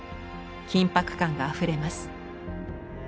緊迫感があふれます。